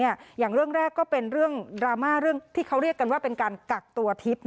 อย่างเรื่องแรกก็เป็นเรื่องดราม่าเรื่องที่เขาเรียกกันว่าเป็นการกักตัวทิพย์